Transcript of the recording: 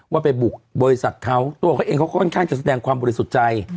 ว่าไปบุกบริษัทเขาตัวเขาเองเขาค่อนข้างจะแสดงความบริสุทธิ์ใจ